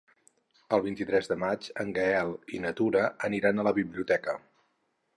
El vint-i-tres de maig en Gaël i na Tura aniran a la biblioteca.